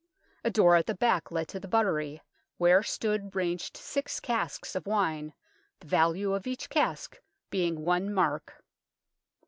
A door at the back led to the buttery, where stood ranged six casks of wine, the value of each cask being one mark.